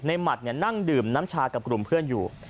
หมัดนั่งดื่มน้ำชากับกลุ่มเพื่อนอยู่